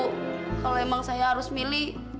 kalau memang saya harus milih